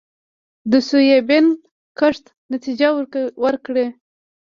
د سویابین کښت نتیجه ورکړې